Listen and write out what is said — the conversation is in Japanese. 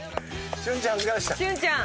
俊ちゃん